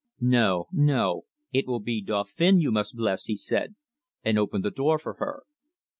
"No, no; it will be Dauphin you must bless," he said, and opened the door for her.